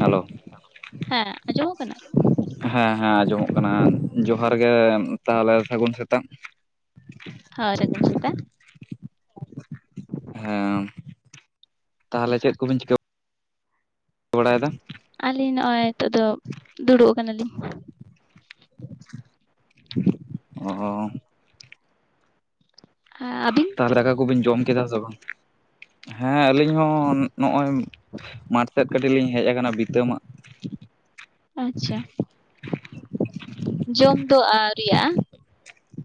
Hello ᱦᱮᱸ ᱟᱸᱡᱚᱢᱳᱜ ᱠᱟᱱᱟ? ᱦᱮᱸᱻ ᱦᱮᱸ ᱟᱸᱡᱚᱢᱚᱜ ᱠᱟᱱᱟ ᱡᱚᱦᱟᱨ ᱜᱮ ᱛᱟᱦᱚᱞᱮ ᱥᱟᱹᱜᱩᱱ ᱥᱮᱛᱟᱜ ᱦᱳᱭ ᱥᱟᱹᱜᱩᱩᱱ ᱥᱮᱛᱟᱜ᱾ ᱦᱮᱸ ᱛᱟᱦᱚᱞᱮ ᱪᱮᱫ ᱠᱚᱵᱤᱱ ᱪᱤᱠᱟᱹ ᱵᱟᱲᱟᱭᱼᱫᱟ? ᱟᱹᱞᱤᱧ ᱱᱚᱜᱼᱚᱭ ᱱᱤᱛᱚᱜ ᱫᱚ ᱫᱩᱲᱩᱵ ᱟᱠᱟᱱᱟᱞᱤᱧ᱾ ᱚ ᱟᱹᱵᱤᱱ ᱛᱟᱦᱚᱞᱮ ᱫᱟᱠᱟ ᱠᱩᱵᱤᱱ ᱡᱚᱢ ᱠᱮᱫᱟ ᱥᱮ ᱵᱟᱝ? ᱦᱮᱸ ᱟᱹᱞᱤᱧ ᱦᱚᱸ ᱱᱚᱜᱼᱚᱭ ᱢᱟᱴ ᱥᱮᱫ᱾ ᱠᱟᱹᱴᱤᱡ ᱞᱤᱧ ᱦᱮᱡ ᱟᱠᱟᱱᱟ ᱵᱤᱛᱟᱹ ᱢᱟᱜ ᱟᱪᱪᱷᱟ ᱡᱚᱢ ᱫᱚ ᱟᱹᱣᱨᱤᱭᱟᱜᱼᱟ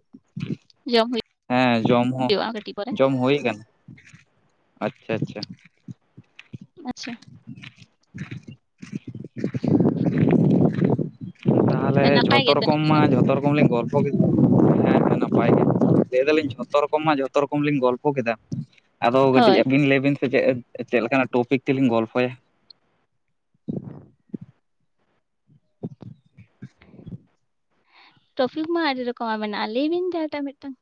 [inaudible] ᱡᱚᱢ ᱦᱮᱸ ᱡᱚᱢ ᱦᱚᱸ ᱦᱩᱭᱩᱜᱼᱟ ᱠᱟᱹᱴᱤᱡ ᱯᱚᱨᱮ ᱡᱚᱢ ᱦᱩᱭ ᱠᱟᱱᱟ᱾ ᱟᱪᱪᱷᱟ ᱟᱪᱪᱷᱟ ᱟᱪᱪᱷᱟ [inaudible] ᱛᱟᱦᱚᱞᱮ ᱱᱟᱯᱟᱭ ᱡᱷᱚᱛᱷᱚ ᱜᱮᱛᱚ ᱨᱚᱠᱚᱢ ᱱᱤᱛᱚᱜ ᱢᱟ ᱫᱚ ᱡᱷᱚᱛᱚ ᱨᱚᱠᱚᱢ ᱞᱮ ᱜᱚᱞᱯᱚ ᱠᱮᱫᱟ ᱮᱸ ᱱᱟᱯᱟᱭ ᱜᱮ ᱞᱟᱹᱭ ᱫᱟᱞᱤᱧ ᱡᱷᱚᱛᱚ ᱨᱚᱠᱚᱢ ᱢᱟ ᱡᱷᱚᱛᱚ ᱨᱚᱠᱚᱢ ᱞᱤᱧ ᱜᱚᱞᱯᱚ ᱠᱮᱫᱟ᱾ ᱟᱫᱚ ᱠᱟᱹᱴᱤᱡ ᱦᱳᱭ ᱟᱹᱵᱤᱱ ᱞᱟᱹᱭ ᱵᱤᱱᱥᱮ ᱥᱮ ᱪᱮᱫ ᱪᱮᱫ ᱞᱮᱠᱟᱱᱟᱜ ᱴᱚᱯᱤᱠ ᱛᱮᱞᱤᱧ ᱜᱚᱞᱯᱷᱚᱭᱟ᱾ ᱴᱨᱚᱯᱤᱠ ᱢᱟ ᱟᱹᱰᱤ ᱨᱚᱠᱚᱢᱟᱜ ᱢᱮᱱᱟᱜᱼᱟ ᱟᱹᱞᱤᱧ ᱞᱤᱧ ᱞᱟᱹᱭᱟ ᱵᱤᱱ ᱡᱟᱦᱟᱸᱴᱟᱜ ᱢᱤᱫᱴᱟᱝ᱾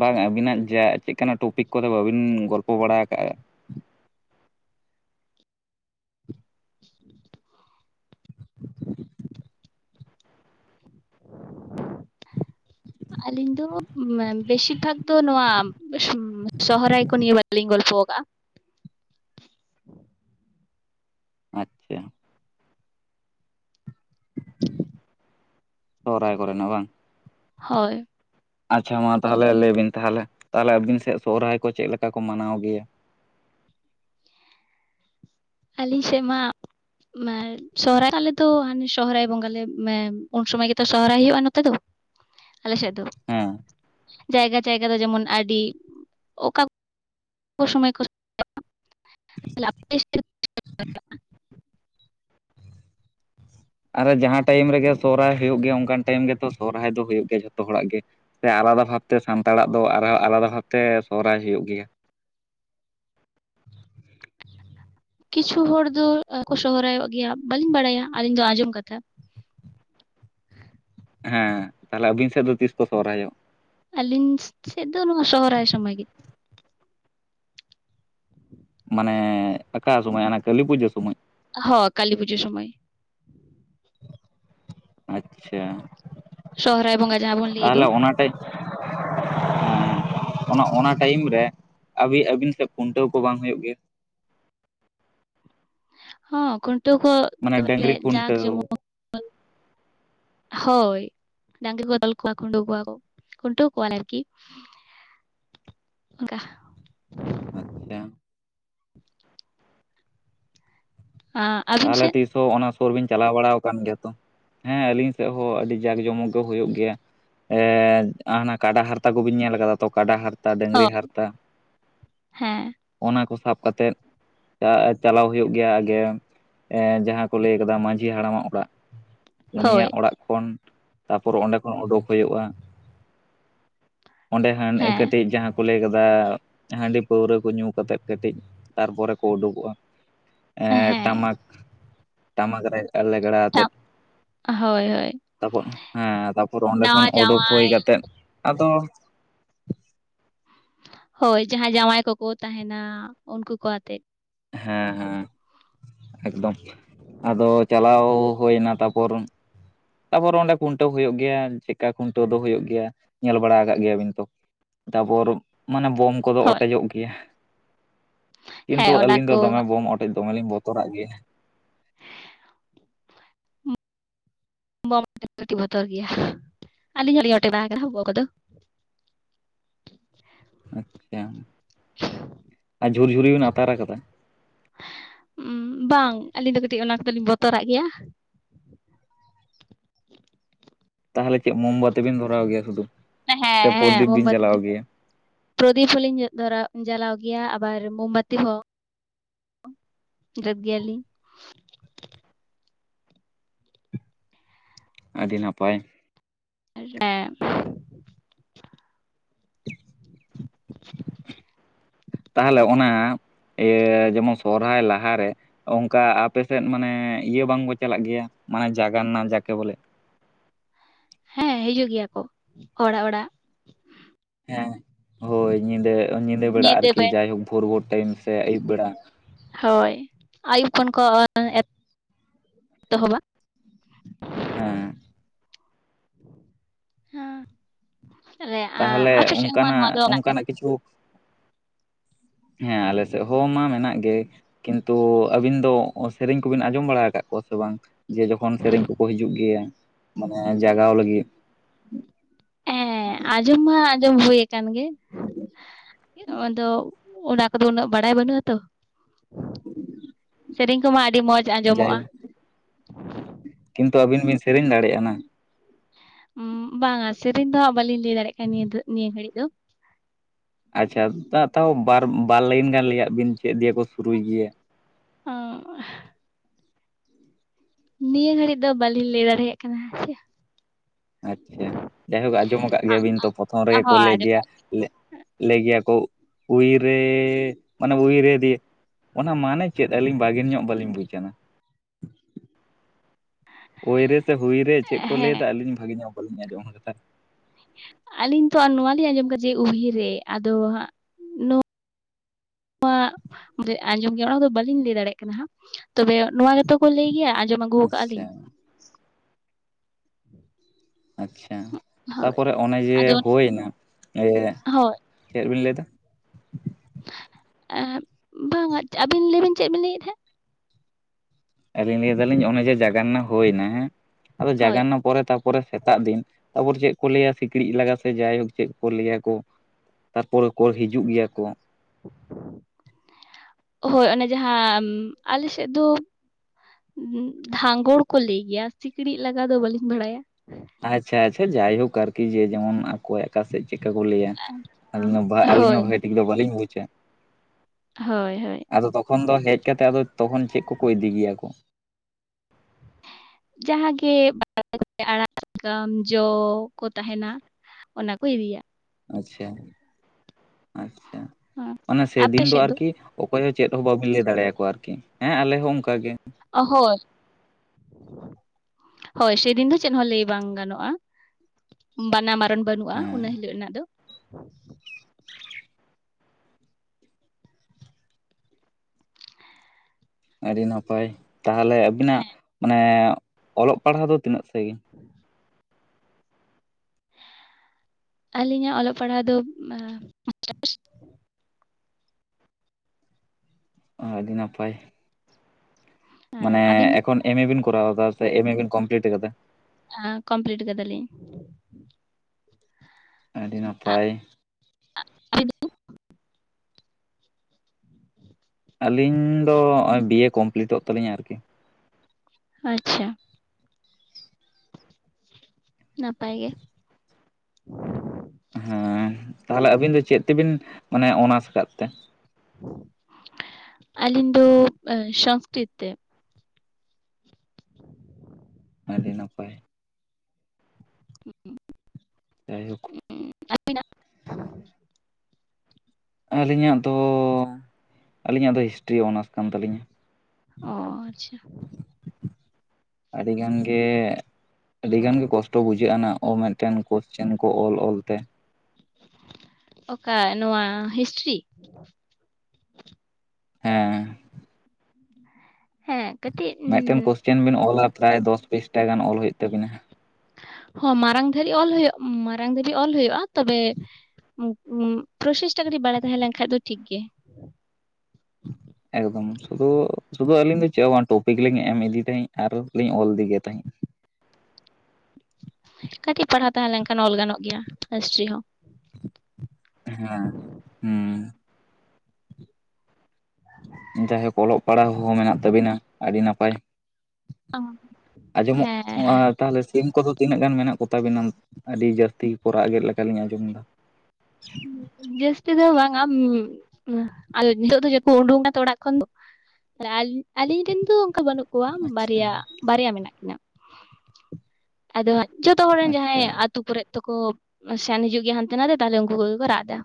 ᱵᱟᱝ ᱵᱟᱝ ᱟᱹᱵᱤᱱᱟᱜ ᱡᱟ ᱪᱮᱫ ᱞᱮᱠᱟᱱᱟᱜ ᱴᱚᱯᱤᱠ ᱠᱚᱫᱚ ᱵᱟᱹᱵᱤᱱ ᱜᱚᱞᱯᱚ ᱵᱟᱲᱟ ᱟᱠᱟᱟᱜᱼᱟ᱾ [inaudible] ᱟᱹᱞᱤᱧ ᱫᱚ ᱵᱮᱥᱤᱨ ᱵᱷᱟᱜ ᱫᱚ ᱱᱚᱣᱟ ᱵᱮᱥᱢ ᱥᱚᱦᱚᱨᱟᱭ ᱠᱚ ᱱᱤᱭᱟᱹ ᱵᱟᱨᱮ ᱛᱮᱞᱤᱧ ᱜᱚᱞᱯᱷᱳ ᱟᱠᱫᱟ᱾ ᱟᱪᱪᱷᱟ ᱥᱚᱨᱦᱟᱭ ᱠᱚᱨᱮᱱᱟᱜ ᱵᱟᱝ ᱦᱳᱭ ᱟᱪᱪᱷᱟ ᱢᱟ ᱛᱟᱦᱚᱞᱮ ᱞᱟᱹᱭ ᱵᱤᱱ ᱛᱟᱦᱚᱞᱮ ᱛᱟᱦᱚᱞᱮ ᱟᱵᱤᱱ ᱥᱨᱫ ᱥᱚᱦᱨᱟᱭ ᱠᱚ ᱪᱮᱫ ᱞᱮᱠᱟ ᱠᱚ ᱢᱟᱱᱟᱣ ᱜᱮᱭᱟ? ᱟᱞᱤᱧ ᱥᱮᱫ ᱢᱟ ᱥᱚᱦᱨᱟᱭ ᱟᱞᱮ ᱫᱚ ᱦᱟᱱᱮ ᱥᱚᱦᱨᱟᱭ ᱵᱚᱸᱜᱟᱞᱮ ᱩᱱ ᱥᱚᱢᱚᱭ ᱜᱮᱛᱚ ᱥᱚᱦᱨᱟᱭ ᱦᱩᱭᱩᱜᱼᱟ ᱱᱚᱛᱮ ᱫᱚ᱾ ᱟᱞᱮ ᱥᱮᱫ ᱫᱚ ᱦᱮᱸ ᱡᱟᱭᱜᱟ ᱡᱟᱭᱜᱟ ᱫᱚ ᱡᱮᱢᱚᱱ ᱟᱹᱰᱤ ᱚᱠᱟ ᱚᱠᱚ ᱥᱚᱢᱚᱭ ᱠᱚ [unintelligible] [inaudible] ᱟᱨᱮ ᱡᱟᱦᱟᱸ ᱴᱟᱭᱤᱢ ᱨᱮᱜᱮ ᱥᱚᱦᱨᱟᱭ ᱦᱩᱭᱩᱜ ᱜᱮᱭᱟ ᱚᱱᱠᱟᱱ ᱴᱟᱭᱤᱢ ᱜᱮᱛᱚ ᱥᱚᱨᱦᱟᱭ ᱫᱚ ᱦᱩᱭᱩᱜ ᱜᱮᱭᱟ ᱡᱚᱛᱚ ᱦᱚᱲᱟᱜ ᱜᱮ ᱥᱮ ᱟᱨᱟᱫᱟ ᱵᱷᱟᱵᱽ ᱛᱮ ᱥᱟᱱᱛᱟᱲᱟᱜ ᱫᱚ ᱟᱨᱟ ᱟᱞᱟᱫᱟ ᱵᱷᱟᱵᱽ ᱛᱮ ᱥᱚᱦᱨᱟᱭ ᱦᱩᱭᱩᱜ ᱜᱮᱭᱟ ᱠᱤᱪᱷᱩ ᱦᱚᱲ ᱫᱚ ᱠᱚ ᱥᱚᱦᱨᱟᱭᱚᱜ ᱜᱮᱭᱟ ᱵᱟᱹᱞᱤᱧ ᱵᱟᱲᱟᱭᱟ ᱟᱹᱞᱤᱧ ᱫᱚ ᱟᱸᱡᱚᱢ ᱠᱟᱛᱷᱟ ᱦᱮᱸ ᱛᱟᱦᱚᱞᱮ ᱟᱵᱤᱱ ᱥᱮᱫ ᱫᱚ ᱛᱤᱥ ᱠᱚ ᱥᱚᱦᱨᱟᱭᱚᱜ ᱟᱹᱞᱤᱧ ᱥᱮᱫ ᱫᱚ ᱱᱚᱣᱟ ᱥᱚᱦᱨᱟᱭ ᱥᱚᱢᱚᱭ ᱜᱮ ᱢᱟᱱᱮ ᱟᱠᱟ ᱥᱚᱢᱚᱭ ᱦᱟᱱᱟ ᱠᱟᱹᱞᱤ ᱯᱩᱡᱟᱹ ᱥᱚᱢᱚᱭ ᱦᱚ ᱠᱟᱹᱞᱤ ᱯᱩᱡᱟᱹ ᱥᱚᱢᱚᱭ ᱟᱪᱪᱷᱟ ᱥᱚᱦᱨᱟᱭ ᱵᱚᱸᱜᱟ ᱡᱟᱦᱟᱸ ᱵᱚᱱ ᱞᱟᱹᱭ ᱫᱚ ᱛᱟᱦᱚᱞᱮ ᱚᱱᱟ ᱴᱟᱭᱼ [inaudible] ᱦᱮᱸ ᱚᱱᱟ ᱚᱱᱟ ᱴᱟᱭᱤᱢ ᱨᱮ ᱟᱹᱵᱤ ᱟᱹᱵᱤᱱ ᱥᱮᱫ ᱠᱷᱩᱱᱴᱟᱹᱣ ᱠᱚ ᱵᱟᱝ ᱦᱩᱭᱩᱜ ᱜᱮᱭᱟ ᱦᱚᱸ ᱠᱷᱩᱱᱴᱟᱹᱣ ᱠᱚ ᱢᱟᱱᱮ ᱫᱚ ᱢᱮ ᱞᱮ ᱰᱟᱹᱝᱨᱤ ᱡᱟᱠ ᱠᱷᱩᱱᱴᱟᱹᱣ ᱡᱚᱢᱩᱱ ᱦᱳᱭ ᱰᱟᱝᱨᱤ ᱠᱚ ᱛᱚᱞ ᱠᱚᱣᱟ ᱠᱷᱩᱱᱴᱟᱹᱣ ᱠᱚᱣᱟ ᱠᱚ ᱠᱷᱩᱱᱴᱟᱹᱣ ᱠᱚᱣᱟᱞᱮ ᱟᱨᱠᱤ ᱚᱱᱠᱟ ᱟᱪᱪᱷᱟ ᱟᱹᱵᱤᱱ ᱛᱟᱦᱚᱞᱮ ᱥᱮᱫ ᱛᱤᱥᱦᱚᱸ ᱚᱱᱟ ᱥᱩᱨ ᱵᱤᱱ ᱪᱟᱞᱟᱣ ᱵᱟᱲᱟᱣ ᱟᱠᱟᱱ ᱜᱮᱭᱟ ᱛᱚ ᱦᱮᱸ ᱟᱹᱞᱤᱧ ᱥᱮᱫ ᱦᱚᱸ ᱟᱹᱰᱤ ᱡᱟᱠᱼ ᱡᱚᱢᱚᱠ ᱜᱮ ᱦᱩᱭᱩᱜ ᱜᱮᱭᱟ ᱮ ᱟᱦᱟᱱᱟ ᱠᱟᱰᱟ ᱦᱟᱨᱛᱟ ᱠᱚᱵᱤᱱ ᱧᱮᱞ ᱟᱠᱟᱫᱟ ᱛᱚ ᱠᱟᱰᱟ ᱦᱟᱨᱛ ᱛᱟ ᱰᱟᱹᱝᱨᱤ ᱦᱳᱭ ᱦᱟᱨᱛᱟ ᱦᱮᱸ ᱚᱱᱟ ᱠᱚ ᱥᱟᱯ ᱠᱟᱛᱮᱜ ᱪᱟ ᱪᱟᱞᱟᱣ ᱦᱩᱭᱩᱜ ᱜᱮᱭᱟ ᱟᱜᱮᱢ ᱮᱸᱡᱟᱦᱟᱸ ᱠᱚ ᱞᱟᱹᱭ ᱠᱟᱫᱟ ᱢᱟᱹᱡᱷᱤ ᱦᱟᱲᱟᱢᱟᱜ ᱚᱲᱟᱜ ᱦᱳᱭ ᱩᱱᱤᱭᱟᱜ ᱚᱲᱟᱜ ᱠᱷᱚᱱ ᱛᱟᱯᱚᱨᱚ ᱚᱸᱰᱮ ᱠᱷᱚᱱ ᱩᱰᱩᱠ ᱦᱩᱭᱩᱜᱼᱟ ᱚᱸᱰᱮ ᱦᱟᱱ ᱦᱮᱸ ᱠᱟᱹᱴᱤᱡ ᱡᱟᱦᱟᱸ ᱠᱚ ᱞᱟᱹᱭ ᱠᱟᱫᱟ ᱦᱟᱺᱰᱤ ᱯᱟᱹᱣᱨᱟᱹ ᱠᱚ ᱧᱩ ᱠᱟᱛᱮᱜ ᱠᱟᱹᱴᱤᱡ ᱛᱟᱨᱯᱚᱨᱮ ᱠᱚ ᱩᱰᱩᱠᱚᱜᱼᱟ ᱮᱸ ᱦᱮᱸ ᱴᱟᱢᱟᱠ ᱴᱟᱢᱟᱠ ᱨᱮ ᱞᱮᱜᱲᱟ ᱟᱛᱮᱫ ᱦᱳᱭ ᱦᱳᱭ ᱛᱟᱯᱚ ᱦᱮᱸ ᱛᱟᱯᱚᱨᱚ ᱚᱸᱰᱮ ᱱᱟᱣᱟ ᱠᱷᱚᱱ ᱩᱰᱩᱠ ᱡᱟᱶᱟ ᱦᱩᱭ ᱠᱟᱛᱮ ᱟᱫᱚ ᱦᱳᱭ ᱡᱟᱦᱟᱸᱭ ᱡᱟᱶᱟᱭ ᱠᱚᱠᱚ ᱛᱟᱦᱮᱱᱟ ᱩᱱᱠᱩ ᱠᱚ ᱟᱛᱮᱜ ᱦᱮᱸ ᱦᱮᱸ ᱮᱠᱫᱚᱢ ᱟᱫᱚ ᱪᱟᱞᱟᱣ ᱦᱩᱭᱱᱟ ᱛᱟᱯᱚᱨᱩᱢ ᱛᱟᱵᱚᱨ ᱚᱸᱰᱮ ᱠᱷᱩᱱᱴᱟᱹᱣ ᱦᱩᱭᱩᱜ ᱜᱮᱭᱟ ᱪᱮᱠᱟ ᱠᱷᱩᱱᱴᱟᱹᱣ ᱫᱚ ᱦᱩᱭᱩᱜ ᱜᱮᱭᱟ ᱧᱮᱞ ᱵᱟᱲᱟ ᱟᱠᱟᱜ ᱜᱮᱭᱟᱵᱤᱱ ᱛᱚ ᱛᱟᱵᱚᱨᱚ ᱢᱟᱱᱮ ᱵᱚᱢ ᱠᱚᱫᱚ ᱦᱳᱭ ᱚᱴᱮᱡᱚᱜ ᱜᱮᱭᱟ ᱦᱮᱸ ᱠᱤᱱᱛᱩ ᱚᱱᱟ ᱟᱹᱞᱤᱧ ᱫᱚ ᱠᱚ ᱫᱚᱢᱮ ᱵᱚᱢ ᱚᱴ ᱠᱟᱹ ᱫᱚᱢᱮ ᱞᱤᱧ ᱵᱚᱛᱚᱨᱟᱜ ᱜᱮᱭᱟ ᱵᱚᱢ ᱠᱚᱫᱚ ᱠᱟᱹᱴᱤᱡ ᱵᱚᱛᱚᱨ ᱜᱮᱭᱟ ᱟᱹᱞᱤᱧ ᱦᱚᱸ ᱞᱤᱧ ᱚᱴᱮᱡ ᱵᱟᱲᱟ ᱟᱠᱟᱫᱟ ᱵᱚᱢ ᱠᱚᱫᱚ ᱟᱪᱪᱷᱟ ᱟ ᱡᱷᱩᱨᱡᱷᱩᱨᱤ ᱵᱮᱱ ᱟᱛᱟᱨ ᱟᱠᱟᱫᱟ ᱩᱸ ᱵᱟᱝ ᱟᱹᱞᱤᱧ ᱫᱚ ᱠᱟᱹᱴᱤᱡ ᱚᱱᱟ ᱠᱚᱫᱚ ᱞᱤᱧ ᱵᱚᱛᱚᱨᱟᱜ ᱜᱮᱭᱟ ᱛᱟᱦᱞᱮ ᱪᱮᱫ ᱢᱚᱢᱵᱟᱹᱛᱤ ᱵᱮᱱ ᱫᱷᱚᱨᱟᱣ ᱜᱮᱭᱟ ᱥᱩᱫᱩ ᱦᱮᱸ ᱥᱮ ᱯᱚᱨᱫᱤᱯ ᱵᱤᱱ ᱡᱟᱞᱟᱣ ᱜᱮᱭᱟ ᱯᱚᱨᱚᱫᱤᱯ ᱦᱚᱸᱞᱤᱧ [unintelligible] ᱫᱷᱚᱨᱟᱣ ᱡᱟᱞᱟᱣ ᱜᱮᱭᱟ ᱟᱵᱟᱨ ᱢᱳᱢᱵᱟᱹᱛᱤ ᱦᱚᱸ [unintelligible] ᱜᱮᱭᱟᱞᱤᱧ ᱟᱹᱰᱤ ᱱᱟᱯᱟᱭ [unintelligible] [inaudible] [inaudible] ᱛᱟᱦᱚᱞᱮ ᱚᱱᱟ ᱤᱭᱟᱹ ᱡᱮᱢᱚᱱ ᱥᱚᱦᱨᱟᱭ ᱞᱟᱦᱟᱨᱮ ᱚᱱᱠᱟ ᱟᱯᱮ ᱥᱮᱫ ᱢᱟᱱᱮ ᱤᱭᱟᱹ ᱵᱟᱝᱵᱚᱱ ᱪᱟᱞᱟᱜ ᱜᱮᱭᱟ ᱢᱟᱱᱮ ᱡᱟᱜᱱᱟ ᱡᱟᱠᱮ ᱵᱚᱞᱮ ᱦᱮᱸ ᱦᱤᱡᱩᱜ ᱜᱮᱭᱟ ᱠᱚ ᱚᱲᱟᱜ ᱚᱲᱟᱜ ᱦᱮᱸ ᱦᱳᱭ ᱧᱤᱫᱟᱹ ᱧᱤᱫᱟᱹ ᱵᱮᱲᱟ ᱟᱨᱠᱤ ᱡᱟᱭᱦᱳᱠ ᱵᱷᱳᱨ ᱵᱷᱳᱨ ᱴᱟᱭᱤᱢ ᱥᱮ ᱟᱹᱭᱩᱵ ᱵᱮᱲᱟ ᱦᱳᱭ ᱟᱹᱭᱩᱯ ᱠᱷᱚᱱ ᱠᱚ ᱮᱛᱚᱦᱚᱵᱟ ᱦᱮᱸ ᱦᱟᱸ ᱛᱟᱦᱞᱮ ᱢᱟ ᱚᱱᱠᱟᱱᱟᱜ ᱱᱚᱣᱟ ᱫᱚ ᱢᱮᱱᱟᱜ ᱜᱮᱭᱟ ᱚᱱᱠᱟᱱᱟᱜ ᱠᱤᱪᱷᱩ ᱦᱮᱸ ᱟᱞᱮ ᱥᱮᱫ ᱦᱚᱸ ᱢᱟ ᱢᱮᱱᱟᱜ ᱜᱮ ᱠᱤᱱᱛᱩ ᱟᱹᱵᱤᱱ ᱫᱚ ᱥᱮᱨᱮᱧ ᱠᱚᱵᱤᱱ ᱟᱸᱡᱚᱢ ᱵᱟᱲᱟ ᱟᱠᱟᱫ ᱠᱚᱣᱟ ᱥᱮ ᱵᱟᱝ ᱡᱮ ᱡᱚᱠᱷᱚᱱ ᱥᱮᱨᱮᱧ ᱠᱚᱠᱚ ᱦᱤᱡᱩᱜ ᱜᱮᱭᱟ ᱢᱟᱱᱮ ᱡᱟᱜᱟᱣ ᱞᱟᱹᱜᱤᱫ ᱦᱮᱸ ᱟᱸᱡᱚᱢ ᱢᱟ ᱟᱸᱡᱚᱢ ᱦᱩᱭ ᱟᱠᱟᱱ ᱜᱮ ᱟᱫᱚ ᱚᱱᱟ ᱠᱚᱫᱚ ᱩᱱᱟᱹᱜ ᱵᱟᱲᱟᱭ ᱵᱟᱹᱱᱩᱜᱼᱟᱛᱚ ᱥᱮᱨᱮᱧ ᱠᱚᱢᱟ ᱟᱹᱰᱤ ᱢᱚᱡᱽ ᱟᱸᱡᱚᱢᱚᱜᱼᱟ ᱡᱟᱭᱦᱳᱠ ᱠᱤᱱᱛᱩ ᱟᱹᱵᱤᱱ ᱵᱤᱱ ᱥᱮᱨᱮᱧ ᱫᱟᱲᱮᱭᱟᱜᱼᱟ ᱱᱟᱝ ᱵᱟᱝᱟ ᱥᱮᱨᱮᱧ ᱫᱚ ᱦᱜ ᱵᱟᱹᱞᱤᱧ ᱞᱟᱹᱭ ᱫᱟᱲᱮᱭᱟᱜ ᱠᱟᱱᱟ ᱱᱤᱭᱟᱹ ᱱᱤᱭᱟᱹ ᱜᱷᱟᱹᱲᱤᱡ ᱫᱚ ᱟᱪᱪᱷᱟ ᱫ ᱛᱟᱣ ᱵᱟᱨ ᱵᱟᱨ ᱞᱟᱭᱤᱱ ᱜᱟᱱ ᱞᱟᱹᱫ ᱵᱤᱱ ᱪᱮᱫ ᱫᱮ ᱠᱚ ᱥᱩᱨᱩᱭ ᱜᱮᱭᱟ ᱮᱸ ᱱᱤᱭᱟᱹ ᱜᱷᱟᱹᱲᱤᱡ ᱫᱚ ᱵᱟᱹᱞᱤᱧ ᱞᱟᱹᱭ ᱫᱟᱲᱮᱭᱟᱜ ᱠᱟᱱᱟ ᱦᱮᱸ‌ ᱥᱮ ᱟᱪᱪᱷᱟ ᱡᱟᱭᱦᱳᱠ ᱟᱸᱡᱚᱢ ᱟᱠᱟᱫ ᱜᱮᱭᱟᱵᱤᱱ ᱛᱚ ᱯᱨᱚᱛᱷᱚᱢ ᱨᱮᱜᱮ ᱠᱚ ᱦᱚᱸ ᱞᱟᱹᱭ ᱟᱸᱡᱚᱢ ᱜᱮᱭᱟ ᱫᱟᱞᱤᱧ ᱞᱮᱜᱭᱟ ᱠᱚ ᱩᱭ ᱨᱮ ᱢᱟᱱᱮ ᱩᱭᱨᱮ ᱫᱤᱭᱮ ᱚᱱᱟ ᱢᱟᱱᱮ ᱪᱮᱫ ᱟᱹᱞᱤᱧ ᱵᱟᱜᱤᱱ ᱧᱚᱜ ᱵᱟᱹᱞᱤᱧ ᱵᱩᱡᱱᱟ ᱳᱭ ᱨᱮᱥᱮ ᱦᱩᱭᱩᱭ ᱨᱮ ᱪᱮᱫ ᱠᱚ ᱦᱮᱸ ᱞᱟᱹᱭᱮᱫᱟ ᱟᱹᱞᱤᱧ ᱵᱷᱟᱹᱜᱤ ᱧᱚᱜ ᱵᱟᱹᱞᱤᱧ ᱟᱸᱡᱚᱢ ᱦᱚᱸ ᱠᱟᱫᱟ‌ ᱟᱹᱞᱤᱧ ᱛᱚ ᱱᱚᱣᱟ ᱞᱤᱧ ᱟᱸᱡᱚᱢ ᱟᱠᱟᱫᱟ ᱡᱮ ᱩᱵᱷᱤᱨᱮ ᱟᱫᱚᱟᱸᱜ ᱭᱟᱹ ᱡᱮ ᱟᱸᱡᱚᱢ ᱜᱮᱭᱟ ᱚᱱᱟ ᱠᱚᱫᱚ ᱵᱟᱟᱹᱞᱤᱧ ᱞᱟᱹᱭ ᱫᱟᱲᱮᱭᱟᱜ ᱠᱟᱱᱟ ᱦᱟᱸᱜ ᱛᱚᱵᱮ ᱱᱚᱣᱟ ᱜᱮᱛᱚ ᱠᱚ ᱞᱟᱹᱭ ᱜᱮᱭᱟ ᱟᱸᱡᱚᱢ ᱟᱹᱜᱩ ᱠᱟᱜᱼᱟ ᱟᱪᱪᱷᱟ ᱞᱤᱧ ᱟᱪᱪᱷᱟ ᱦᱳᱭ ᱛᱟᱯᱚᱨᱮ ᱚᱱᱮ ᱡᱮ ᱟᱫᱚ ᱦᱩᱭᱮᱱᱟ ᱦᱳᱭ ᱪᱮᱫ ᱵᱤᱱ ᱞᱟᱹᱭ ᱮᱟᱫᱟ‌ ᱵᱟᱝᱟ ᱟᱹᱵᱤᱱ ᱞᱟᱹᱭ ᱵᱤᱱ ᱪᱮᱫ ᱵᱤᱱ ᱞᱟᱹᱭᱮᱫ ᱛᱟᱦᱮᱸᱫ ᱟᱹᱞᱤᱧ ᱞᱟᱹᱭᱫᱟᱞᱤᱧ ᱚᱱᱮ ᱡᱮ ᱡᱟᱜᱟᱱᱱᱟ ᱦᱩᱭᱱᱟ ᱦᱮᱸ ᱟᱫᱚ ᱦᱳᱭ ᱡᱟᱜᱟᱱᱱᱟ ᱯᱚᱨᱮ ᱛᱚᱨ ᱛᱟᱨᱯᱚᱨᱮ ᱥᱮᱛᱟᱜ ᱫᱤᱱ ᱛᱟᱨᱯᱚᱨ ᱪᱮᱫ ᱠᱚ ᱞᱟᱹᱭᱟ ᱥᱤᱠᱲᱤᱡ ᱞᱟᱜᱟ ᱥᱮ ᱡᱟᱭᱦᱳᱠ ᱪᱮᱫ ᱠᱚ ᱞᱟᱹᱭᱟ ᱠᱚ ᱛᱟᱨᱯᱚᱨᱮ ᱠᱚ ᱦᱤᱡᱩᱜ ᱜᱮᱭᱟ ᱠᱚ ᱦᱳᱭ ᱚᱱᱮ ᱡᱟᱦᱟᱸ ᱟᱞᱮ ᱥᱮᱫ ᱫᱚ ᱫᱷᱟᱝᱜᱲ ᱠᱚ ᱞᱟᱹᱭ ᱜᱮᱭᱟ ᱥᱤᱠᱲᱤᱡ ᱞᱟᱜᱟ ᱫᱚ ᱵᱟᱹᱞᱤᱧ ᱵᱟᱲᱟᱭᱟ ᱟᱪᱪᱷᱟ ᱟᱪᱪᱷᱟ ᱡᱟᱭᱦᱳᱠ ᱟᱨᱠᱤ ᱡᱮ ᱡᱮᱢᱚᱱ ᱟᱠᱚᱣᱟᱜ ᱚᱠᱟᱥᱮᱫ ᱪᱮᱫᱠᱟ ᱠᱚ ᱞᱟᱹᱭᱟ ᱟᱹᱞᱤ ᱟᱹᱞᱤᱧ ᱦᱳᱭ ᱦᱚᱸ ᱵᱷᱟᱹᱜᱮ ᱴᱷᱤᱠ ᱫᱚ ᱵᱟᱹᱞᱤᱧ ᱵᱩᱡᱟ ᱦᱳᱭ ᱦᱳᱭ ᱟᱫᱚ ᱛᱚᱠᱷᱚᱱ ᱫᱚ ᱦᱮᱡ ᱠᱟᱛᱮ ᱛᱚᱠᱷᱚᱱ ᱪᱮᱫ ᱠᱚ ᱤᱫᱤ ᱜᱮᱭᱟ ᱠᱚ ᱡᱟᱦᱟᱸᱜᱮ ᱟᱲᱟᱜ ᱥᱟᱠᱟᱢ ᱡᱚ ᱠᱚ ᱛᱟᱦᱮᱱᱟ [unintelligible] ᱚᱱᱟ ᱠᱚ ᱤᱫᱤᱭᱟ ᱟᱪᱪᱷᱟ ᱟᱪᱪᱷᱟ ᱦᱮᱸ ᱚᱱᱟ ᱥᱮ ᱟᱯᱮ ᱫᱤᱱ ᱫᱚ ᱥᱮᱫ ᱟᱨᱠᱤ ᱚᱠᱚᱭ ᱦᱚᱸ ᱪᱮᱫ ᱦᱚᱸ ᱵᱟᱵᱮᱱ ᱞᱟᱹᱭ ᱫᱟᱲᱮᱭᱟᱠᱚᱣᱟ ᱟᱨᱠᱤ ᱦᱮᱸ ᱟᱞᱮ ᱦᱚᱸ ᱚᱱᱠᱟᱜ ᱜᱮ ᱦᱳᱭ ᱦᱳᱭ ᱥᱮᱫᱤᱱ ᱫᱚ ᱪᱮᱫ ᱦᱚᱸ ᱞᱟᱹᱭ ᱵᱟᱝ ᱜᱟᱱᱚᱜᱼᱟ ᱵᱟᱱᱟ ᱚᱱ ᱵᱟᱹᱱᱩᱜᱼᱟ ᱚᱱᱟ ᱦᱮᱸ ᱦᱤᱞᱳᱜ ᱨᱮᱱᱟᱜ ᱫᱚ ᱟᱹᱰᱤ ᱱᱟᱯᱟᱭ ᱛᱟᱦᱚᱞᱮ ᱟᱹᱵᱤᱱᱟᱜ ᱢᱟᱱᱮ ᱚᱞᱚᱜ ᱯᱟᱲᱦᱟᱣ ᱫᱚ ᱛᱤᱱᱟᱹᱜ ᱥᱟᱺᱜᱤᱧ ᱜᱮ ᱟᱹᱞᱤᱧᱟᱜ ᱚᱞᱚᱜ ᱯᱟᱲᱦᱟᱣ ᱫᱚ‌ ᱟ ᱟᱹᱰᱤ ᱱᱟᱯᱟᱭ ᱢᱟᱱᱮ ᱟᱹᱵᱤᱱ ᱫᱚ ᱮᱠᱷᱚᱱ ᱮᱢ ᱮ ᱵᱤᱱ ᱠᱚᱨᱟᱣᱫᱟ ᱥᱮ ᱮᱢ ᱮ ᱵᱤᱱ ᱠᱚᱢᱯᱞᱤᱤᱴ ᱟᱠᱟᱫᱟ ᱟᱸ ᱠᱢᱯᱞᱤᱴ ᱠᱟᱫᱟ‌ ᱞᱤᱧ ᱟᱹᱰᱤ ᱱᱟᱯᱟᱭ [unintelligible] ᱟᱹᱞᱤᱧ ᱫᱚ ᱱᱚᱜᱼᱚᱭ ᱵᱤᱭᱮ ᱠᱚᱢᱯᱞᱤᱤᱴᱚᱜ ᱛᱟᱹᱞᱤᱧᱟ ᱟᱨᱠᱤ ᱟᱪᱪᱷᱟ ᱱᱟᱯᱟᱭ ᱜᱮ ᱦᱮᱸ ᱛᱟᱦᱚᱞᱮ ᱟᱹᱵᱤᱱ ᱫᱚ ᱪᱮᱫ ᱛᱮᱵᱤᱱ ᱢᱟᱱᱮ ᱚᱱᱟᱨᱥ ᱟᱠᱟᱫ ᱛᱮ ᱟᱹᱞᱤ ᱫᱚ ᱥᱚᱥᱠᱨᱤᱛ ᱛᱮ ᱟᱹᱰᱤ ᱱᱟᱯᱟᱭ [inaudible] ᱡᱟᱭ ᱦᱳᱠ ᱟᱹᱞᱤᱧᱟᱜ ᱫᱚ ᱟᱹᱞᱤᱧᱟᱜ ᱫᱚ ᱦᱤᱥᱴᱨᱤ ᱚᱱᱟᱨᱥ ᱠᱟᱱ ᱛᱟᱹᱞᱤᱧᱟ ᱚ ᱟᱪᱪᱷᱟ ᱟᱹᱰᱤ ᱜᱟᱱ ᱜᱮ ᱟᱹᱰᱤ ᱜᱟᱱ ᱜᱮ ᱠᱚᱥᱴᱚ ᱵᱩᱡᱷᱟᱹᱜ-ᱟ ᱱᱟᱜ ᱚ ᱢᱤᱫᱴᱮᱱ ᱠᱳᱥᱪᱮᱱ ᱠᱚ ᱚᱞ ᱚᱞ ᱛᱮ ᱚᱠᱟ ᱱᱚᱣᱟ ᱦᱤᱥᱴᱨᱤ ᱦᱮᱸ ᱦᱮᱸ ᱠᱟ. ᱢᱤᱫᱴᱮᱱ ᱠᱚᱥᱪᱮᱱ ᱵᱤᱱ ᱚᱞᱟ ᱯᱨᱟᱭ ᱫᱚᱥ ᱯᱤᱥᱴᱟ ᱜᱟᱱ ᱚᱞ ᱦᱩᱭᱩᱜ ᱛᱟᱵᱤᱱᱟ ᱦᱚᱸ ᱢᱟᱨᱟᱝ ᱫᱷᱟᱹᱨᱤᱡ ᱚᱞ ᱦᱳᱭᱳᱜ ᱢᱟᱨᱟᱝ ᱫᱷᱟᱹᱵᱤᱡ ᱚᱞ ᱦᱳᱭᱳᱜᱼᱟ ᱛᱚᱵᱮ ᱩ ᱯᱨᱚᱥᱮᱥᱴᱟᱜ ᱠᱟᱹᱴᱤᱡ ᱵᱟᱲᱟᱭ ᱛᱟᱦᱮᱸ ᱞᱮᱱ ᱠᱷᱟᱱ ᱫᱚ ᱴᱷᱤᱠ ᱜᱮ ᱮᱠᱫᱚᱢ ᱥᱩᱫᱩ ᱥᱩᱫᱩ ᱟᱹᱞᱤᱧ ᱫᱚ ᱪᱮᱫ ᱦᱚᱸ ᱵᱟᱝ ᱴᱚᱯᱤᱠ ᱞᱤᱧ ᱮᱢ ᱤᱫᱤ ᱛᱟᱦᱤᱡ ᱟᱨ ᱞᱤᱧ ᱚᱞ ᱤᱫᱤ ᱜᱮ ᱛᱟᱦᱤᱡ ᱠᱟᱹᱴᱤᱡ ᱯᱟᱲᱦᱟᱣ ᱛᱟᱦᱮᱸ ᱞᱮᱱᱠᱷᱟᱱ ᱚᱞ ᱜᱟᱱᱚᱜ ᱜᱮᱭᱟ ᱦᱥᱴᱨᱤ ᱦᱚᱸ ᱦᱮᱸ ᱦᱩᱸ ᱡᱟᱭᱦᱳᱠ ᱚᱞᱚᱜ ᱯᱟᱲᱦᱟᱣ ᱦᱚᱸ ᱢᱮᱱᱟᱜ ᱛᱟᱵᱤᱱᱟ ᱟᱹᱰᱤ ᱱᱟᱯᱟᱭ ᱟᱸᱡᱚᱢᱚᱜ ᱦᱮᱸ ᱚ ᱛᱟᱦᱚᱞᱮ ᱥᱤᱢ ᱠᱚᱫᱚ ᱛᱤᱱᱟᱹᱜ ᱜᱟᱱ ᱢᱮᱱᱟᱜ ᱠᱚ ᱛᱟᱵᱤᱱᱟ ᱟᱹᱰᱤ ᱡᱟᱹᱥᱛᱤ ᱠᱚ ᱨᱟᱜ ᱜᱮᱫ ᱞᱮᱠᱟ ᱞᱤᱧ ᱟᱸᱡᱚᱢ ᱫᱟ ᱡᱟᱹᱥᱛᱤ ᱫᱚ ᱵᱟᱝ ᱟ ᱦᱤᱛᱚᱜ ᱫᱚ ᱳᱰᱳᱝ ᱱᱟ ᱛᱚ ᱚᱲᱟᱜ ᱠᱷᱚᱱ ᱟᱞᱤ ᱟ. ᱞᱤᱧ ᱨᱮᱱ ᱫᱚ ᱚᱱᱠᱟ ᱵᱟᱹᱱᱩᱜ ᱠᱚᱣᱟ ᱟᱪᱪᱷᱟ ᱵᱟᱨᱭᱟ ᱵᱟᱨᱭᱟ ᱢᱮᱱᱟᱜ ᱠᱤᱱᱟ ᱟᱫᱚ ᱡᱚᱛᱚ ᱦᱚᱲ ᱨᱮᱱ ᱟᱪᱪᱷᱟ ᱡᱟᱦᱟᱸᱭ ᱟᱹᱛᱩ ᱠᱚᱨᱮ ᱛᱚᱠᱚ ᱥᱮᱱ ᱦᱤᱡᱩᱜ ᱜᱮᱭᱟ ᱦᱟᱱᱛᱮ ᱱᱟᱛᱮ ᱛᱟᱦᱞᱮ ᱩᱱᱠᱩ ᱩᱱᱠᱩ ᱜᱮᱠᱚ ᱨᱟᱜ ᱫᱟ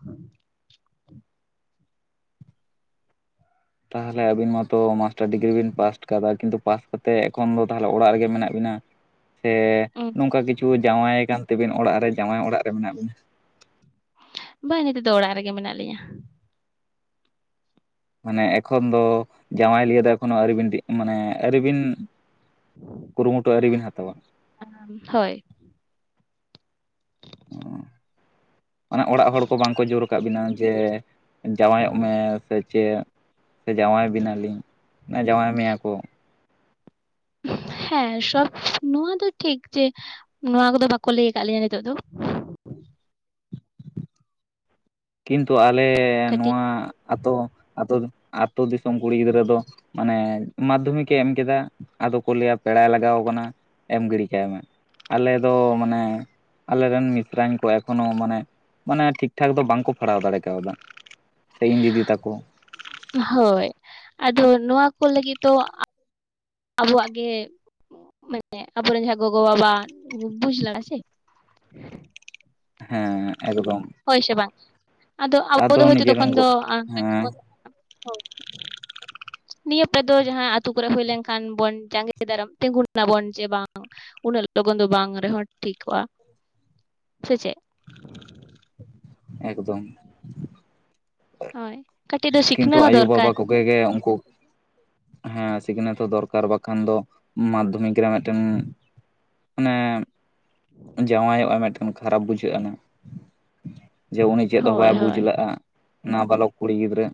ᱛᱟᱦᱚᱞᱮ ᱟᱵᱤᱱ ᱢᱟᱛᱚ ᱢᱟᱥᱴᱟᱨ ᱰᱤᱜᱽᱨᱤ ᱵᱤᱱ ᱯᱟᱥᱴ ᱠᱟᱫᱟ ᱠᱤᱱᱛᱩ ᱯᱟᱥᱴ ᱠᱟᱛᱮ ᱮᱠᱷᱚᱱ ᱫᱚ ᱛᱟᱦᱚᱞᱮ ᱚᱲᱟᱜ ᱨᱮᱜᱮ ᱢᱮᱱᱟᱜ ᱵᱤᱱᱟ ᱥᱮ ᱱᱚᱝᱠᱟ ᱠᱤᱪᱷᱩ ᱡᱟᱶᱟᱭ ᱠᱟᱱ ᱛᱮᱵᱤᱱ ᱚᱲᱟᱜ ᱨᱮ ᱡᱟᱶᱟᱭ ᱚᱲᱟᱜ ᱨᱮ ᱢᱮᱱᱟᱜ ᱵᱤᱱᱟ ᱵᱟ ᱱᱤᱛᱚᱜ ᱫᱚ ᱚᱲᱟᱜ ᱨᱮᱜᱮ ᱢᱮᱱᱟᱜ ᱞᱤᱧᱟᱹ ᱢᱟᱱᱮ ᱮᱠᱷᱚᱱ ᱫᱚ ᱡᱟᱶᱟᱭ ᱞᱤᱭᱟᱹ ᱫᱚ ᱮᱠᱷᱚᱱᱳ ᱟᱹᱣᱨᱤᱵᱤᱱ ᱫᱤ ᱢᱟᱱᱮ ᱟᱹᱣᱨᱤᱵᱤᱱ ᱠᱩᱨᱩᱢᱩᱴᱩ ᱟᱹᱣᱨᱤᱵᱤᱱ ᱦᱟᱛᱟᱣᱟ ᱦᱳᱭ ᱚ ᱢᱟᱱᱮ ᱚᱲᱟᱜ ᱦᱚᱲ ᱠᱚ ᱵᱟᱝᱠᱚ ᱡᱳᱨ ᱟᱠᱟᱫ ᱵᱤᱱᱟ ᱡᱮ ᱡᱟᱶᱟᱭᱚᱜ ᱢᱮ ᱥᱮ ᱪᱮᱫ ᱥᱮ ᱡᱟᱶᱟᱭ ᱵᱮᱱᱟᱞᱤᱧ ᱢᱟᱱᱮ ᱡᱟᱶᱟᱭ ᱢᱮᱭᱟ ᱠᱚ ᱦᱮᱸ ᱥᱚᱵ ᱱᱚᱣᱟ ᱫᱚ ᱴᱷᱤᱠ ᱡᱮ ᱱᱚᱣᱟ ᱠᱚᱫᱚ ᱵᱟᱠᱚ ᱞᱟᱹᱭ ᱠᱟᱫ ᱞᱮᱭᱟ ᱱᱤᱛᱚᱜ ᱫᱚ ᱠᱤᱱᱛᱩ ᱟᱞᱮ ᱠᱟᱹᱴᱤᱡ ᱱᱚᱣᱟ ᱟᱛᱳ ᱟᱛᱳ ᱫᱤ ᱫᱤᱥᱚᱢ ᱠᱩᱲᱤ ᱜᱤᱫᱽᱨᱟᱹ ᱫᱚ ᱢᱟᱱᱮ ᱢᱟᱫᱽᱫᱷᱚᱢᱤᱠᱮ ᱮᱢ ᱠᱮᱫᱟ ᱟᱫᱚ ᱠᱚ ᱞᱟᱹᱭ ᱟ ᱯᱮᱲᱟᱭ ᱞᱟᱜᱟᱣ ᱠᱟᱱᱟ ᱮᱢ ᱜᱤᱲᱤ ᱠᱟᱭ ᱢᱮ ᱟᱞᱮ ᱫᱚ ᱢᱟᱱᱮ ᱟᱞᱮ ᱨᱮᱱ ᱢᱤᱥᱨᱟᱧ ᱠᱚ ᱮᱠᱷᱚᱱᱚ ᱢᱟᱱᱮ ᱢᱟᱱᱮ ᱴᱷᱤᱠ ᱴᱷᱟᱠ ᱫᱚ ᱵᱟᱝᱠᱚ ᱯᱟᱲᱦᱟᱣ ᱫᱟᱲᱮ ᱠᱟᱣᱫᱟ ᱥᱮ ᱤᱧ ᱫᱤᱫᱤ ᱛᱟᱠᱚ ᱦᱳᱭ ᱟᱫᱚ ᱱᱚᱣᱟ ᱠᱚ ᱞᱟᱹᱜᱤᱫ ᱫᱚ ᱟ ᱟᱵᱚᱣᱟᱜ ᱜᱮ ᱢᱟᱱᱮ ᱟᱵᱚᱨᱮᱱ ᱡᱟᱦᱟᱸ ᱜᱚᱜᱚ ᱵᱟᱵᱟ ᱵᱩᱡᱽ ᱞᱟᱜ ᱟ ᱥᱮ ᱦᱮᱸ ᱮᱠᱫᱚᱢ ᱦᱳᱭ ᱥᱮ ᱵᱟᱝ ᱟᱫᱚ ᱟᱵᱚ ᱫᱚ ᱦᱚᱭᱛᱚ ᱱᱤᱡᱮᱨᱮᱱ ᱛᱚᱠᱷᱚᱱ ᱜᱚ ᱫᱚ [inaudible] ᱦᱮᱸ ᱱᱤᱭᱟᱹ ᱯᱮ ᱫᱚ ᱡᱟᱦᱟᱸ ᱟᱹᱛᱩ ᱠᱚᱨᱮ ᱦᱩᱭ ᱞᱮᱱᱠᱷᱟᱱ ᱵᱚᱱ ᱡᱟᱸᱜᱮ ᱫᱟᱨᱟᱢ ᱛᱤᱸᱜᱩ ᱱᱟᱵᱚᱱ ᱡᱮ ᱵᱟᱝ ᱩᱱᱟᱹᱜ ᱞᱚᱜᱚᱱ ᱫᱚ ᱵᱟᱝ ᱨᱮᱦᱚᱸ ᱴᱷᱤᱠᱚᱜ-ᱟ ᱥᱮ ᱪᱮᱫ ᱮᱠᱫᱚᱢ ᱦᱚᱭ ᱠᱟᱹᱴᱤᱡ ᱫᱚ ᱥᱤᱠᱷᱱᱟᱹ ᱦᱚᱸ ᱫᱚᱨᱠᱟᱨ ᱟᱯᱮᱜᱮ ᱩᱱᱠᱩ ᱦᱮᱸ ᱥᱤᱠᱷᱱᱟᱹᱛ ᱦᱚᱸ ᱫᱚᱨᱠᱟᱨ ᱵᱟᱠᱷᱟᱱ ᱫᱚ ᱢᱟᱫᱽᱫᱷᱚᱢᱤᱠ ᱨᱮ ᱢᱤᱫᱴᱮᱱ ᱢᱟᱱᱮ [inaudible] ᱡᱟᱶᱟᱭᱚᱜ ᱟ ᱢᱤᱫᱴᱟᱝ ᱠᱷᱟᱨᱟᱯ ᱵᱩᱡᱷᱟᱹᱜ-ᱟ ᱱᱟ ᱡᱮᱢᱚᱱ ᱩᱱᱤ ᱪᱮᱫ ᱦᱚᱸ ᱦᱳᱭ ᱵᱟᱭ ᱵᱩᱡᱽ ᱦᱳᱭ ᱞᱟᱜᱼᱟ ᱱᱟ ᱵᱟ ᱞᱚᱠ ᱠᱩᱲᱤ ᱜᱤᱫᱽᱨᱟᱹ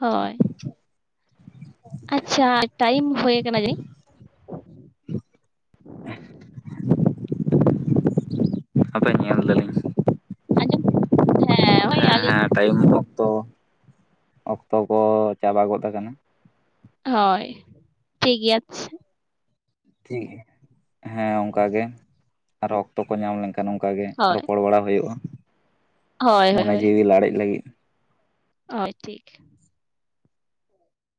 ᱦᱳᱭ ᱟᱪᱪᱷᱟ ᱴᱟᱭᱤᱢ ᱦᱩᱭ ᱟᱠᱟᱱᱟ ᱡᱟᱱᱤᱡ ᱟᱯᱮ ᱧᱮᱞ ᱫᱟᱞᱤᱧ ᱦᱮᱸ ᱦᱳᱭ ᱦᱮᱸ ᱟᱹᱞᱤᱧ ᱦᱮᱸ ᱴᱟᱭᱤᱢ ᱚᱠᱛᱚ ᱚᱠᱛᱚ ᱠᱚ ᱪᱟᱵᱟ ᱜᱚᱫ ᱟᱠᱟᱱᱟ ᱦᱳᱭ ᱴᱷᱤᱠ ᱜᱮᱭᱟᱟᱪᱷᱟ ᱴᱷᱤᱠ ᱦᱮᱸ ᱚᱱᱠᱟᱟᱜᱮ ᱟᱨᱦᱚ ᱚᱠᱛᱚ ᱠᱚ ᱧᱟᱢ ᱞᱮᱱᱠᱷᱟᱱ ᱠᱷᱟᱱ ᱚᱱᱠᱟᱟᱜ ᱜᱮ ᱦᱳᱭ ᱨᱚᱯᱚᱲ ᱵᱟᱲᱟ ᱦᱩᱭᱩᱜᱼᱟ ᱦᱳᱭ ᱢᱚᱱᱮ ᱦᱳᱭ ᱡᱤᱭᱤ ᱞᱟᱲᱮᱡ ᱞᱟᱹᱜᱤᱫ ᱦᱳᱭ ᱴᱷᱤᱠ